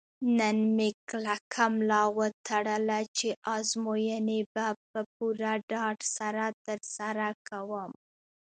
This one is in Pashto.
نن مې کلکه ملا وتړله چې ازموینې به په پوره ډاډ سره ترسره کوم.